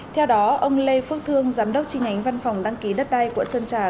theo đó ông lê phước thương giám đốc tri nhánh văn phòng đăng ký đất đai quận sơn trà